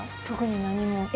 特に何も。